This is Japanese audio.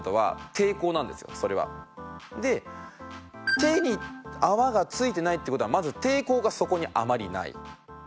手に泡が付いてないっていう事はまず抵抗がそこにあまりない。